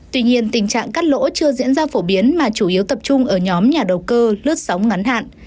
tuy nhiên tình trạng cắt lỗ chưa diễn ra phổ biến mà chủ yếu tập trung ở nhóm nhà đầu cơ lướt sóng ngắn hạn